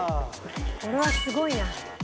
これはすごいな。